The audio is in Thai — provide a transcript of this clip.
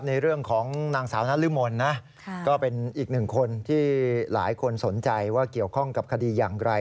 ในเรื่องของนางสาวนรมนนะก็เป็นอีกหนึ่งคนที่หลายคนสนใจว่าเกี่ยวข้องกับคดีอย่างไร